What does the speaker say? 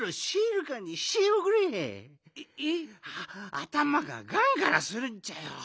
あたまがガンガラするんじゃよ。